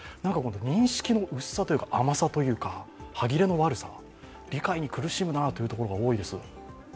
認識の薄さというか、甘さというか歯切れの悪さ、理解に苦しむなというところが多いです。